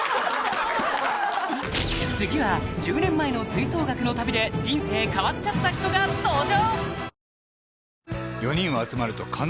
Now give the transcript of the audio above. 次は１０年前の吹奏楽の旅で人生変わっちゃった人が登場！